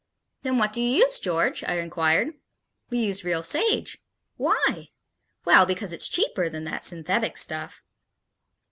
"Then what do you use, George?" I inquired. "We use real sage." "Why?" "Well, because it's cheaper than that synthetic stuff."